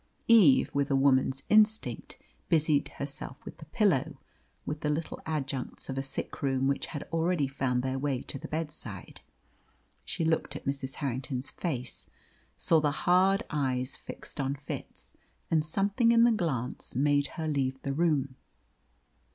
Eve, with a woman's instinct, busied herself with the pillow with the little adjuncts of a sick room which had already found their way to the bedside. She looked at Mrs. Harrington's face, saw the hard eyes fixed on Fitz, and something in the glance made her leave the room.